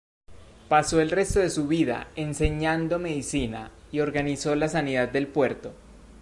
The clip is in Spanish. Pasó el resto de su vida enseñando medicina, y organizó la sanidad del puerto.